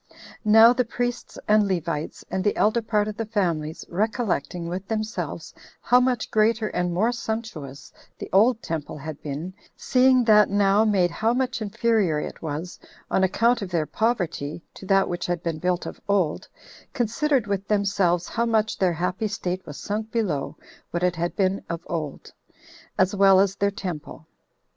Now the priests and Levites, and the elder part of the families, recollecting with themselves how much greater and more sumptuous the old temple had been, seeing that now made how much inferior it was, on account of their poverty, to that which had been built of old, considered with themselves how much their happy state was sunk below what it had been of old, as well as their temple.